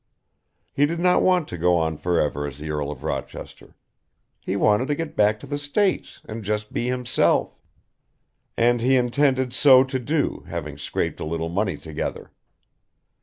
He did not want to go on forever as the Earl of Rochester; he wanted to get back to the States and just be himself, and he intended so to do having scraped a little money together.